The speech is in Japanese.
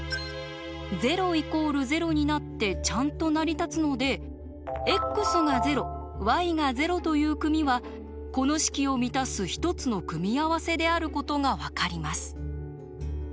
ちゃんと成り立つので「ｘが０ｙが０」という組はこの式を満たす一つの組み合わせであることが分かります。